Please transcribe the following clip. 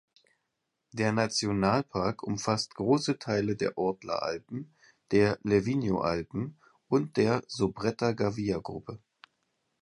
Der Nationalpark umfasst große Teile der Ortler-Alpen, der Livigno-Alpen und der Sobretta-Gavia-Gruppe.